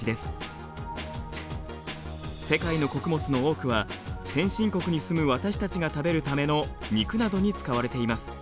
世界の穀物の多くは先進国に住む私たちが食べるための肉などに使われています。